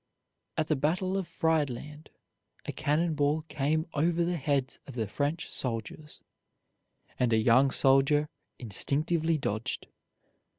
At the battle of Friedland a cannon ball came over the heads of the French soldiers, and a young soldier instinctively dodged.